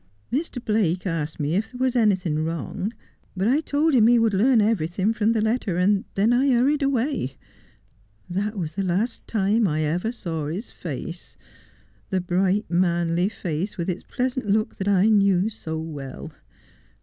' Mr. Blake asked me if there was anything wrong, but I told him that he would learn everything from the letter, and then I hurried away. That was the last time I ever saw his face — the bright, manly face, with its pleasant look that I knew so well.